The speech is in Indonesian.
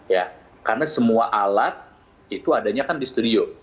ya karena semua alat itu adanya kan di studio